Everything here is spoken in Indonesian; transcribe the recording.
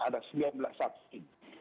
ada sembilan belas saksi